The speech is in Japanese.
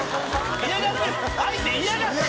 「嫌がってる！